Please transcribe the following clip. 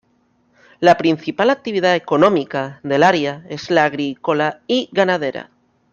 La principal actividad económica del área es la agrícola y ganadera.